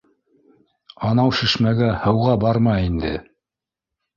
Анау шишмәгә һыуға барма инде